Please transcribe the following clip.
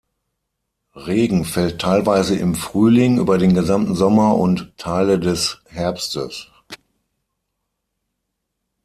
Regen fällt teilweise im Frühling, über den gesamten Sommer und Teile des Herbstes.